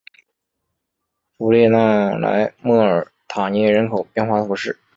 弗利讷莱莫尔塔涅人口变化图示